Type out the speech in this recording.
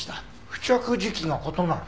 付着時期が異なる？